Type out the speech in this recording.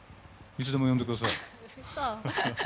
いつでも呼んでください。